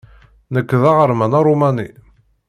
Nekk d aɣerman aṛumani.